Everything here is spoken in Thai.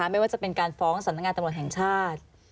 ไม่ว่าจะเป็นการฟ้องสำนักงานตำรวจแห่งชาติ